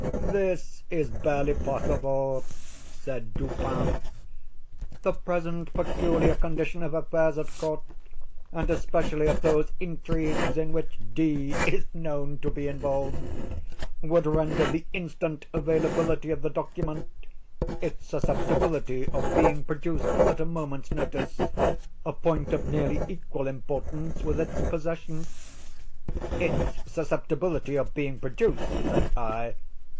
"This is barely possible," said Dupin. "The present peculiar condition of affairs at court, and especially of those intrigues in which D—— is known to be involved, would render the instant availability of the document—its susceptibility of being produced at a moment's notice—a point of nearly equal importance with its possession." "Its susceptibility of being produced?" said I.